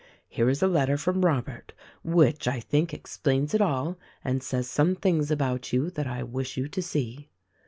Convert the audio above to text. Here is a letter from Robert which I think explains it all and says some things about you that I wish you to see."